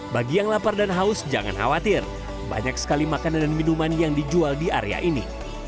bagi yang lapar dan haus jangan khawatir banyak sekali makanan dan minuman yang dijual di area ini